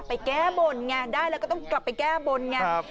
แก้บนไงได้แล้วก็ต้องกลับไปแก้บนไง